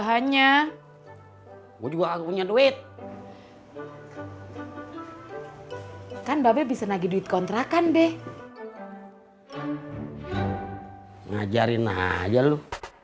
hanya juga aku punya duit kan babi bisa nagih duit kontrakan deh ngajarin aja lu